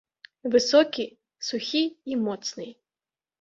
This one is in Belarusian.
Высокі, сухі і моцны.